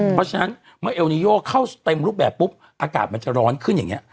เพราะฉะนั้นเมื่อเอลนิโยเข้าเต็มรูปแบบปุ๊บอากาศมันจะร้อนขึ้นอย่างนี้